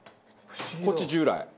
こっち従来。